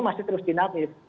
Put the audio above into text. masih terus dinaklir